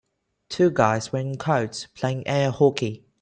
Two guys wearing coats playing air hockey.